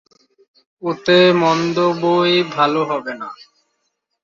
ওতে মন্দ বৈ ভাল হবে না।